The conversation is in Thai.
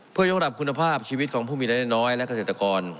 เพื่อยกระดับคุณภาพชีวิตของผู้มีรายได้น้อยและเกษตรกร